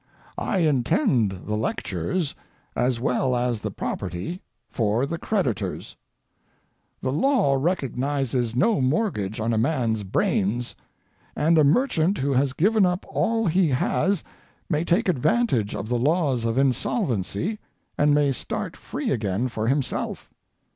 I intend the lectures, as well as the property, for the creditors. The law recognizes no mortgage on a man's brains, and a merchant who has given up all he has may take advantage of the laws of insolvency and may start free again for himself.